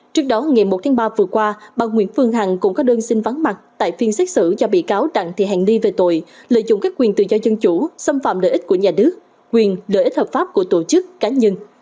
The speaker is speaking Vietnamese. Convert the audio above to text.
trước đó ngày một tháng ba vừa qua bà nguyễn phương hằng cũng có đơn xin vắng mặt tại phiên xét xử do bị cáo đặng thị hàng ni về tội lợi dụng các quyền tự do dân chủ xâm phạm lợi ích của nhà nước quyền lợi ích hợp pháp của tổ chức cá nhân